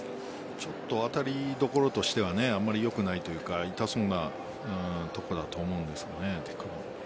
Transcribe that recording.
ちょっと当たりどころとしてはあまり良くないというか痛そうなところだと思うんですけどね。